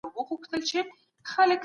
موږ د ماسپښین په چکر کې خندا وکړه.